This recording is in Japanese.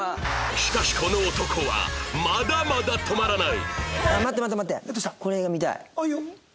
しかしこの男はまだまだ止まらない！